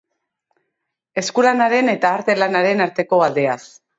Eskulanaren eta arte lanaren arteko aldeaz.